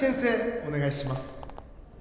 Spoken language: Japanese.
お願いします